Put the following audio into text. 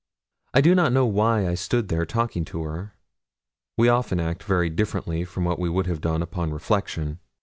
I do not know why I stood there talking to her. We often act very differently from what we would have done upon reflection.